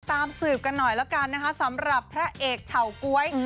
สืบกันหน่อยแล้วกันนะคะสำหรับพระเอกเฉาก๊วย